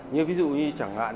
như ví dụ như chẳng hạn